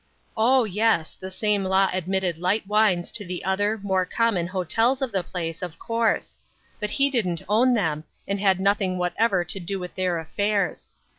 O, yes ! the same law admitted light wines to the other, more common hotels of the place, of course ; but he didn't own them, and had nothing whatever to do with their affairs.